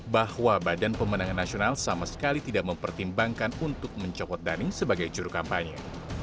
bahwa badan pemenangan nasional sama sekali tidak mempertimbangkan untuk mencopot dhani sebagai juru kampanye